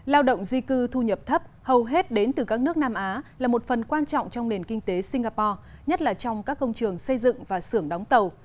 lao động di cư thu nhập thấp hầu hết đến từ các nước nam á là một phần quan trọng trong nền kinh tế singapore nhất là trong các công trường xây dựng và xưởng đóng tàu